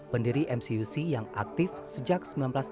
pendiri mcuc yang aktif sejak seribu sembilan ratus sembilan puluh